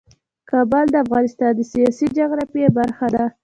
کابل د افغانستان د سیاسي جغرافیه برخه ده.